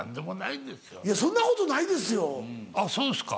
いやそんなことないですよ。